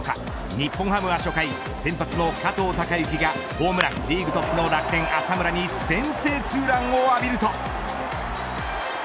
日本ハムは初回先発の加藤貴之がホームラン、リーグトップの楽天、浅村に先制ツーランを浴びると。